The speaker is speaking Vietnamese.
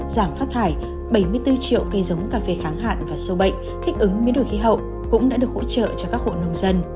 giảm phát thải bảy mươi bốn triệu cây giống cà phê kháng hạn và sâu bệnh thích ứng biến đổi khí hậu cũng đã được hỗ trợ cho các hộ nông dân